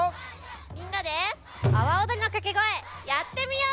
みんなであわおどりのかけごえやってみよう！